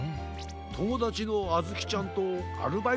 ともだちのあずきちゃんとアルバイトへいってるんです。